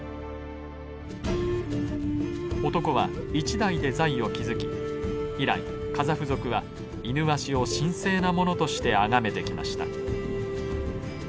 男は一代で財を築き以来カザフ族はイヌワシを神聖なものとしてあがめてきました。